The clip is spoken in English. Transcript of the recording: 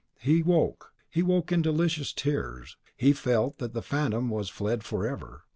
He woke, he woke in delicious tears, he felt that the Phantom was fled forever.